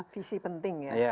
visi penting ya